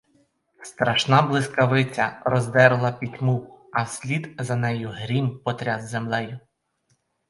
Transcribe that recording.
Страшна блискавиця роздерла пітьму, а вслід за нею грім потряс землею.